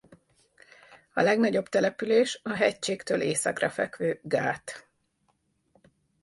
A legnagyobb település a hegységtől északra fekvő Gát.